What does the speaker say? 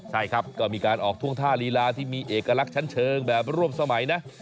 ใช่ครับก็มีการออกท่วงท่าลีลาที่มีเอกลักษณ์ชั้นเชิงแบบร่วมสมัยนะ